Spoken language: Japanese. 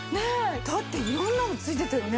だって色んなの付いてたよね。